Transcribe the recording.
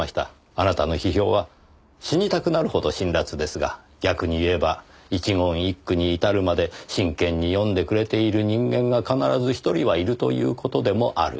あなたの批評は死にたくなるほど辛辣ですが逆に言えば一言一句に至るまで真剣に読んでくれている人間が必ず１人はいるという事でもある。